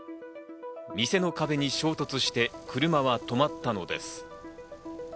店の壁に衝突して車は止まったのです。